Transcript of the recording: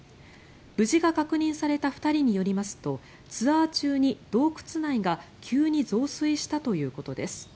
無事が確認された２人によりますとツアー中に洞窟内が急に増水したということです。